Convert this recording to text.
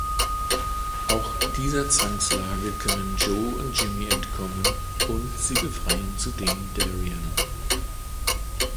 Auch dieser Zwangslage können Joe und Jimmy entkommen, und sie befreien zudem Darian.